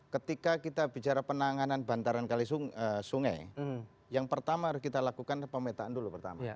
ketika kita bicara penanganan bantaran kali sungai yang pertama harus kita lakukan pemetaan dulu pertama